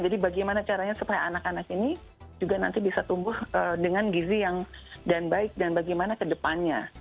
jadi bagaimana caranya supaya anak anak ini juga nanti bisa tumbuh dengan gizi yang baik dan bagaimana ke depannya